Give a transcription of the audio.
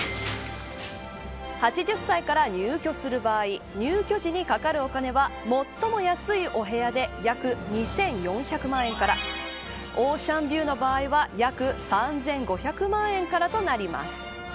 ８０歳から入居する場合入居時にかかるお金は最も安いお部屋で約２４００万円からオーシャンビューの場合は約３５００万円からとなります。